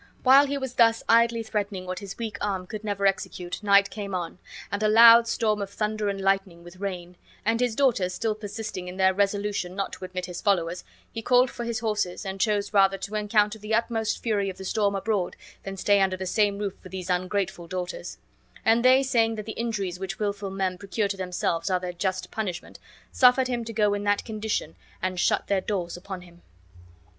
While he was thus idly threatening what his weak arm could never execute, night came on, and a loud storm of thunder and lightning with rain; and his daughters still persisting in their resolution not to admit his followers, he called for his horses, and chose rather to encounter the utmost fury of the storm abroad than stay under the same roof with these ungrateful daughters; and they, saying that the injuries which wilful men procure to themselves are their just punishment, suffered him to go in that condition and shut their doors upon him.